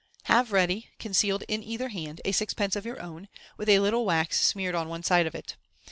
— Have ready, concealed in either hand, a sixpence of your own, with a little wax smeared on one side of it.